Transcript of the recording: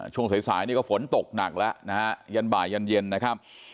ช่วงสายสายนี่ก็ฝนตกหนักแล้วนะฮะยันบ่ายยันเย็นนะครับ